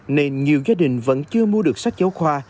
nên nhiều gia đình vẫn chưa mua được sách giáo khoa